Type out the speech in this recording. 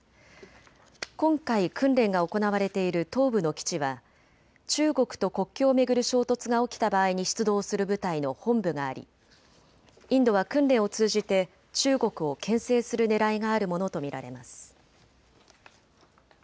今回訓練が行われている東部の基地は中国と国境を巡る衝突が起きた場合に出動する部隊の本部がありインドは訓練を通じて中国をけん制するねらいがあるものと見られます。